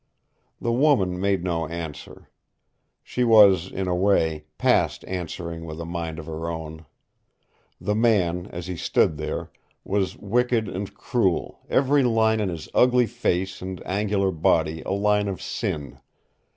The woman made no answer. She was, in a way, past answering with a mind of her own. The man, as he stood there, was wicked and cruel, every line in his ugly face and angular body a line of sin.